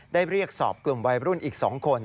เรียกสอบกลุ่มวัยรุ่นอีก๒คน